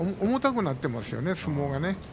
重たくなっていますよね、相撲が。